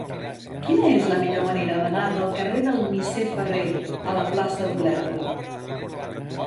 Quina és la millor manera d'anar del carrer del Misser Ferrer a la plaça d'Olèrdola?